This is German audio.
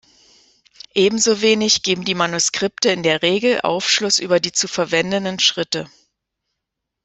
Ebenso wenig geben die Manuskripte in der Regel Aufschluss über die zu verwendenden Schritte.